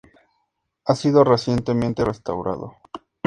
Ha sido recientemente restaurado.